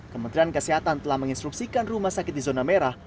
kementerian kesehatan telah menginstruksikan rumah sakit di zona merah